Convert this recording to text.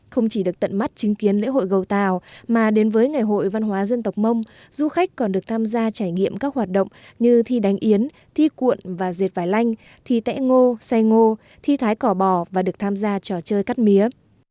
không chỉ được tận mắt chứng kiến lễ hội gầu tàu mà đến với ngày hội văn hóa dân tộc mông du khách còn được tham gia trải nghiệm các hoạt động như thi đánh yến thi cuộn và dệt vải lanh thi tẽ ngô say ngô thi thái cỏ và được tham gia trò chơi cắt mía